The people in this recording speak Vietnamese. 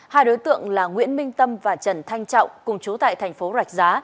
hai đối tượng là nguyễn minh tâm và trần thanh trọng cùng chú tại thành phố rạch giá